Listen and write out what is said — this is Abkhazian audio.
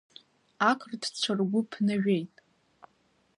Ақырҭцәа ргәы ԥнажәеит.